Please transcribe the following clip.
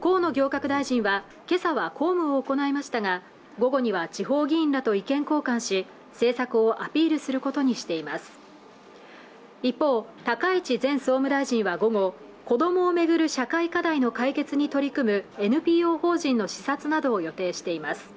河野行革大臣はけさは公務を行いましたが午後には地方議員らと意見交換し政策をアピールすることにしています一方高市前総務大臣は午後子どもをめぐる社会課題の解決に取り組むＮＰＯ法人の視察などを予定しています